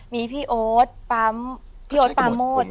มีพี่โอ๊ดพี่โอ๊ดปาโมดใช่